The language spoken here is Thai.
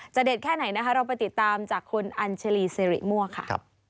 เด็ดแค่ไหนนะคะเราไปติดตามจากคุณอัญชรีสิริมั่วค่ะ